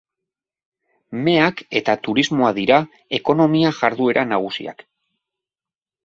Meak eta turismoa dira ekonomia-jarduera nagusiak.